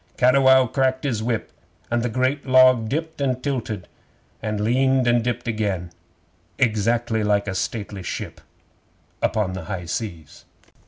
'Cattiwow cracked his whip, and the great log dipped and tilted, and leaned and dipped again, exactly like a stately ship upon the high seas.